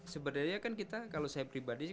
sebenarnya kan kita kalau saya pribadi